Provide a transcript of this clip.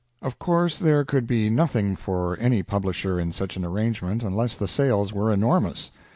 Of course there could be nothing for any publisher in such an arrangement unless the sales were enormous.